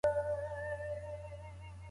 خپلي تېروتني ومنئ.